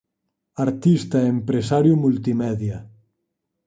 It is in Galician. Artista e empresario multimedia